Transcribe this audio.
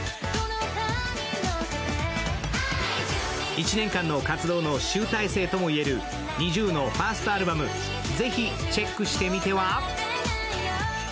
１年間の活動の集大成とも言えるＮｉｚｉＵのファーストアルバム、ぜひチェックしてみては？